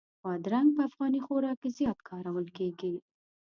بادرنګ په افغاني خوراک کې زیات کارول کېږي.